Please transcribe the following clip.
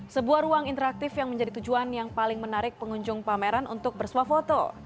sebuah ruang interaktif yang menjadi tujuan yang paling menarik pengunjung pameran untuk bersuah foto